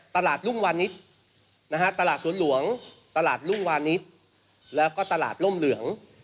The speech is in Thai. ตลาดสวนหลวงตลาดรุ่งวานิดแล้วก็ตลาดร่มเหลือง